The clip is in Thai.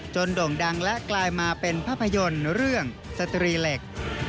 โด่งดังและกลายมาเป็นภาพยนตร์เรื่องสตรีเหล็ก